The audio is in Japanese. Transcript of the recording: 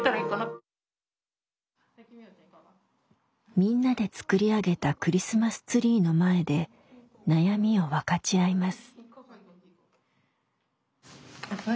みんなで作り上げたクリスマスツリーの前で悩みを分かち合います。